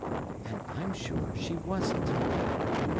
"And I'm sure she wasn't."